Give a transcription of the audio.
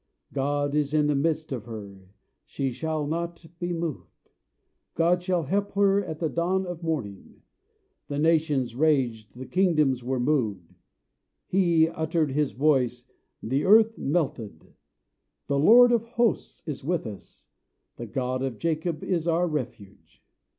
God is in the midst of her; she shall not be moved: God shall help her at the dawn of morning. The nations raged, the kingdoms were moved: He uttered his voice, the earth melted. THE LORD OF HOSTS IS WITH US; THE GOD OF JACOB IS OUR REFUGE.